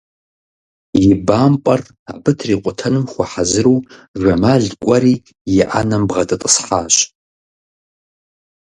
И бампӀэр абы трикъутэным хуэхьэзыру Жэмал кӀуэри и ӏэнэм бгъэдэтӀысхьащ.